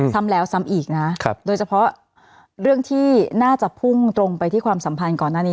ซ้ำแล้วซ้ำอีกนะโดยเฉพาะเรื่องที่น่าจะพุ่งตรงไปที่ความสัมพันธ์ก่อนหน้านี้